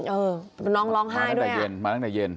เออน้องร้องไห้ด้วยมาตั้งแต่เย็น